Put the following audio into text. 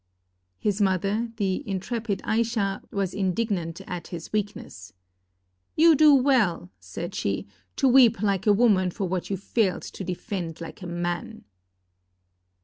His mother, the intrepid Ayxa, was indignant at his weakness. "You do well," said she, "to weep like a woman for what you failed to defend like a man!"